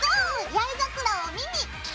八重桜を見に。